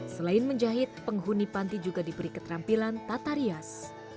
selain menjahit penghuni panti juga diberi keterampilan tata rias